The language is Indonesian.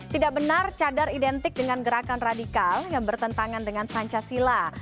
tidak benar cadar identik dengan gerakan radikal yang bertentangan dengan pancasila